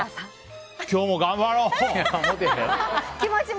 今日も頑張ろう！